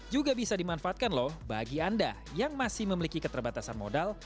juga bisa dimanfaatkan loh bagi anda yang masih memiliki keterbatasan modal